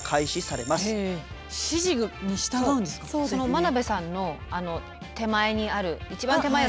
眞鍋さんの手前にある一番手前に。